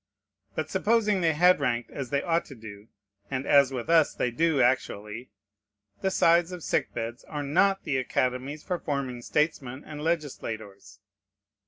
But supposing they had ranked as they ought to do, and as with us they do actually, the sides of sick beds are not the academies for forming statesmen and legislators.